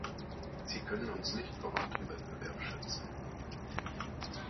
Sie können uns nicht vor hartem Wettbewerb schützen.